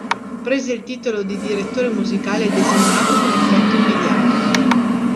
Prese il titolo di direttore musicale designato con effetto immediato.